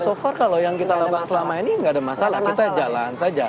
so far kalau yang kita lakukan selama ini nggak ada masalah kita jalan saja